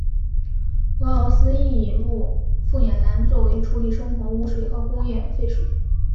俄罗斯亦引入凤眼蓝作为处理生活污水和工业废水。